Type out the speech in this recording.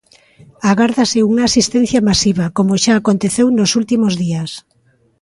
Agárdase unha asistencia masiva, como xa aconteceu nos últimos días.